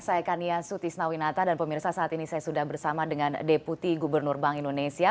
saya kania sutisnawinata dan pemirsa saat ini saya sudah bersama dengan deputi gubernur bank indonesia